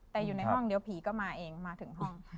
แต่อยู่ในห้องเดี๋ยวผีก็มาเองมาถึงห้อง